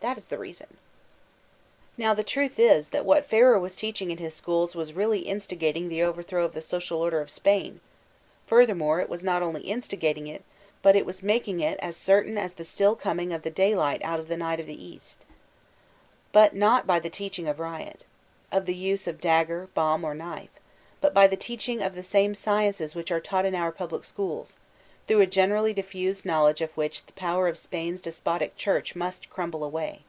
That b the reason." Now the truth k, that what Ferrer was teaching in hk schook was really instigating the overthrow of the social order of Spain ; furthermore it was not only instigating it, but it was making it as certain as the still coming of the daylight out of the night of the east But not by the teaching of riot; of the use of dagger, bomb, or Imtfe; but by the teaching of the same sciences which are taught in our public schook, through a generally diffused knowl edge of which the power of Spain's despotic Church must Francisco Feeser 301 crumble away.